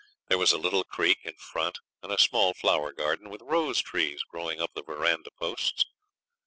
There was a little creek in front, and a small flower garden, with rose trees growing up the verandah posts.